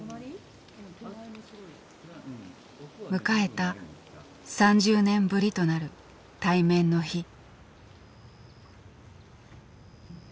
迎えた３０年ぶりとなる対面の日。